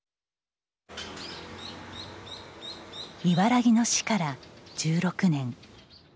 茨木の死から１６年。